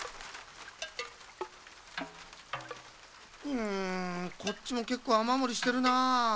うんこっちもけっこうあまもりしてるなあ。